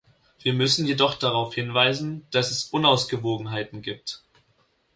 Wir müssen jedoch darauf hinweisen, dass es Unausgewogenheiten gibt.